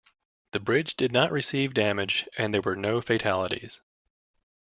The bridge did not receive damage and there were no fatalities.